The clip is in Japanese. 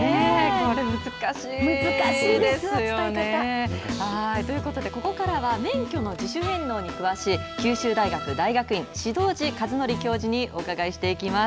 これ難しいですよね。ということで、ここからは免許の自主返納に詳しい九州大学大学院志堂寺和則教授におうかがいしていきます。